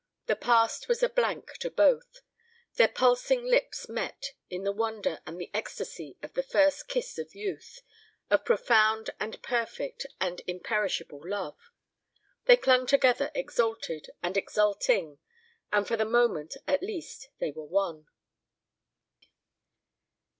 The past was a blank to both. Their pulsing lips met in the wonder and the ecstasy of the first kiss of youth, of profound and perfect and imperishable love. They clung together exalted and exulting and for the moment at least they were one.